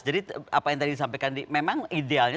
jadi apa yang tadi disampaikan memang idealnya